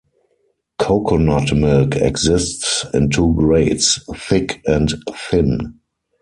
Coconut milk exists in two grades: thick and thin.